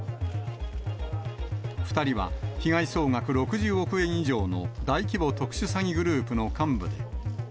２人は被害総額６０億円以上の大規模特殊詐欺グループの幹部で。